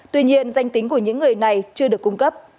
tuy nhiên danh tính của những người này chưa được cung cấp